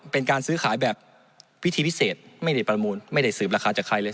เป็นการซื้อขายแบบวิธีพิเศษไม่ได้ประมูลไม่ได้สืบราคาจากใครเลย